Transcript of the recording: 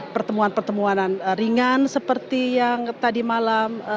pertemuan pertemuan ringan seperti yang tadi malam